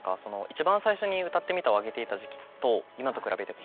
一番最初に「歌ってみた」を上げていた時期と今と比べて。